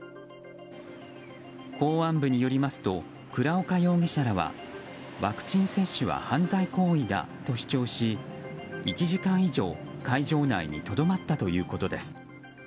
公安部によりますと倉岡容疑者らはワクチン接種は犯罪行為だと主張し１時間以上会場内にとどまったということです。